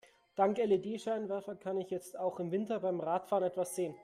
Dank LED-Scheinwerfer kann ich jetzt auch im Winter beim Radfahren etwas sehen.